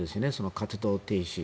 活動停止。